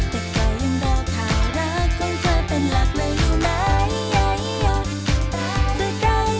เขาอะไรเขาอะไร